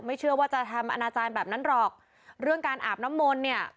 เชื่อว่าจะทำอนาจารย์แบบนั้นหรอกเรื่องการอาบน้ำมนต์เนี่ย